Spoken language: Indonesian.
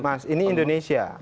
mas ini indonesia